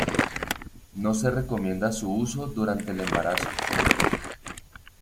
No se recomienda su uso durante el embarazo.